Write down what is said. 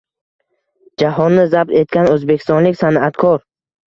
Jahonni zabt etgan o‘zbekistonlik san’atkor